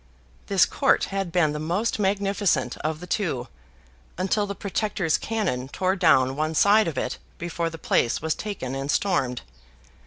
This court had been the most magnificent of the two, until the Protector's cannon tore down one side of it before the place was taken and stormed.